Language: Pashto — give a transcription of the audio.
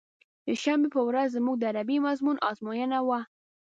د شنبې په ورځ زموږ د عربي مضمون ازموينه وه.